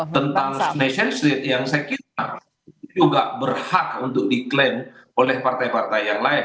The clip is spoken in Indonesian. tentang nation state yang saya kira juga berhak untuk diklaim oleh partai partai yang lain